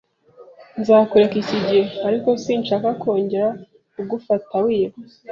Nzakureka iki gihe, ariko sinshaka kongera kugufata wiba.